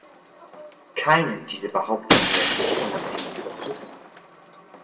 Keine dieser Behauptungen lässt sich unabhängig überprüfen.